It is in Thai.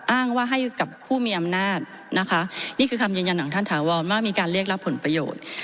อ้างว่าให้กับผู้มีอำนาจนะคะนี่คือคำยืนยันของท่านถาวรว่ามีการเรียกรับผลประโยชน์